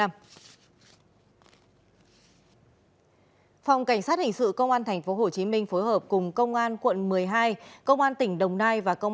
phòng cảnh sát hình sự công an tp hcm phối hợp cùng công an quận một mươi hai công an tỉnh đồng nai và công